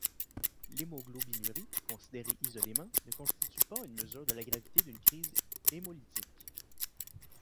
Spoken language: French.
L'hémoglobinurie, considérée isolément, ne constitue pas une mesure de la gravité d'une crise hémolytique.